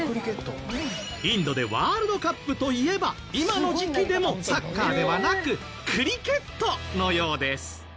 インドでワールドカップといえば今の時期でもサッカーではなくクリケットのようです。